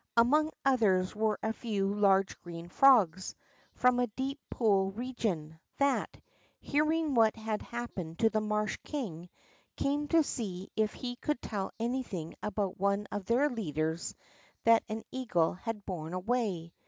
Among otliers Avere a few large green frogs, from a deep pool region, that, hearing Avhat had happened to the marsh king, came to see if he could tell anything about one of their leaders that an eagle had borne aAvay.